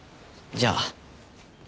じゃあ。